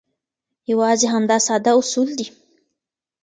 یوازې همدا ساده اصول دي.